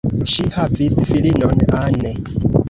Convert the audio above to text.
Ŝi havis filinon, Anne.